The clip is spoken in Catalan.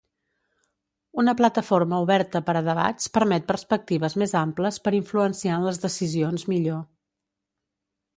Una plataforma oberta per a debats permet perspectives més amples per influenciar en les decisions millor.